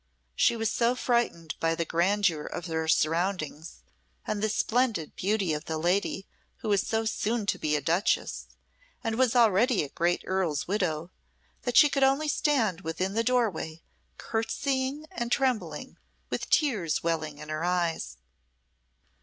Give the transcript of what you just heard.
She was so frightened by the grandeur of her surroundings, and the splendid beauty of the lady who was so soon to be a duchess, and was already a great earl's widow, that she could only stand within the doorway, curtseying and trembling, with tears welling in her eyes.